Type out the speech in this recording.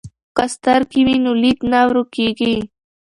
که سترګې وي نو لید نه ورکیږي.